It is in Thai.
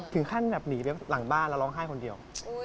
ถึงขั้นถึงแบบหลังบ้านแล้วล้องไห้คนเดียว